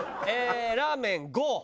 ラーメン５」。